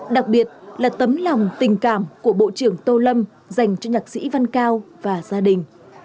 đặc biệt là tấm lòng tình cảm của bộ trưởng tô lâm dành cho nhạc sĩ văn cao và gia đình